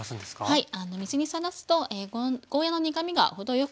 はい。